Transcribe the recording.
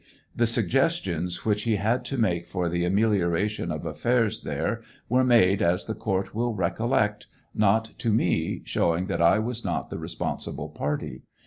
The suggestions which he had to make for the amelioration of affairs there were made, as the court will recollect, not to me, showing that I was not the responsible party.